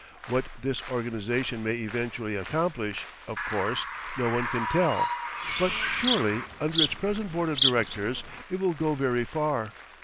What this organization may eventually accomplish, of course, no one can tell, but surely, under its present board of directors, it will go very far.